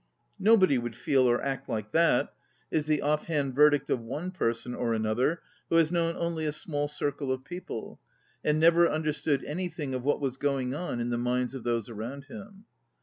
" No body would feel or act like that," is the off hand verdict of one person or another who has known only a small circle of people, and never understood anything of what was going on in the minds of those around him.